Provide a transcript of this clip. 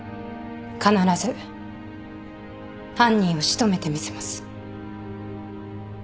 必ず犯人を仕留めてみせます。